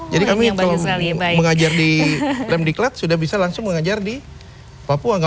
jadi kami kalau mengajar di mdklat sudah bisa langsung mengajar di papua